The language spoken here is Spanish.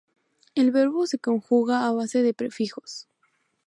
El verbo se conjuga a base de prefijos.